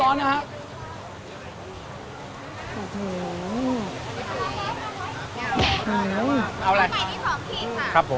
เอาอะไรครับผมทอดใหม่ที่๒คีมค่ะ